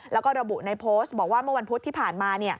แล้วก็ระบุในโพสต์บอกว่าเมื่อวันพุธที่ผ่านมา